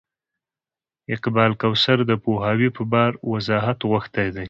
اقبال کوثر د پوهاوي په پار وضاحت غوښتی و.